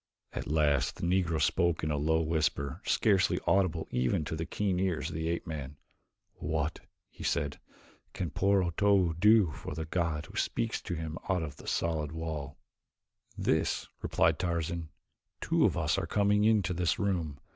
At last the Negro spoke in a low whisper, scarcely audible even to the keen ears of the ape man. "What," he asked, "can poor Otobu do for the god who speaks to him out of the solid wall?" "This," replied Tarzan. "Two of us are coming into this room.